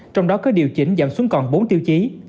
trong đó có điều chỉnh giảm xuống còn bốn tiêu chí